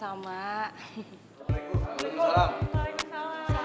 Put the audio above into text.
makasih ya bang ya